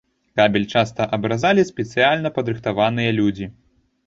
Кабель часта абразалі спецыяльна падрыхтаваныя людзі.